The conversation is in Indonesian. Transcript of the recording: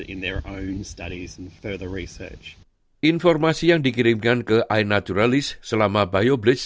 informasi yang dikirimkan ke inaturalist selama bioblitz